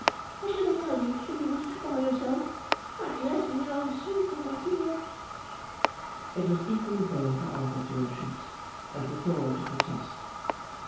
I shouldn't tell you, if you was by yourself; much less with your old sweetheart here.' It was equally vain for Arthur to entreat, and for Flora to protest.